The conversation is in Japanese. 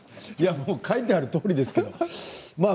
もう書いてあるとおりですね。